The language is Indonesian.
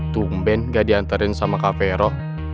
tumben gak diantarin sama kak pero